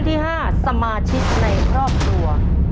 ภาพค่าของกองเทศ